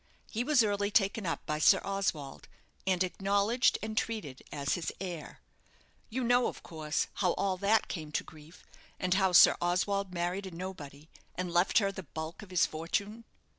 He was early taken up by Sir Oswald, and acknowledged and treated as his heir. You know, of course, how all that came to grief, and how Sir Oswald married a nobody, and left her the bulk of his fortune?"